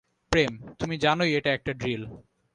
প্রেম, তুমি জানোই এটা একটা ড্রিল।